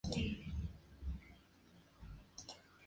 El polvo blanco resultante era el carbonato de potasio puro.